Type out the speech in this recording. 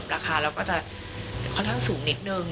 ราคาเราก็จะค่อนข้างสูงนิดนึง